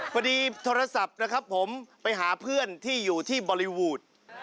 พอดีโทรศัพท์นะครับผมไปหาเพื่อนที่อยู่ที่บอลลีวูด